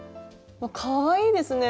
かわいいですね。